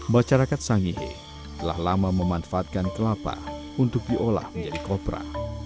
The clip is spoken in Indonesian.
masyarakat sangihe telah lama memanfaatkan kelapa untuk diolah menjadi kopra